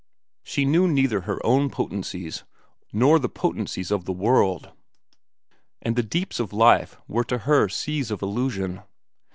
She knew neither her own potencies, nor the potencies of the world; and the deeps of life were to her seas of illusion.